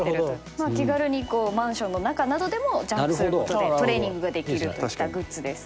気軽にマンションの中などでもジャンプすることでトレーニングができるといったグッズです。